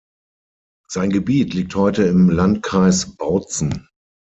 Sein Gebiet liegt heute im Landkreis Bautzen.